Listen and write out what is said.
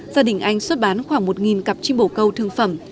gia đình anh xuất bán khoảng một cặp chim bổ câu thương phẩm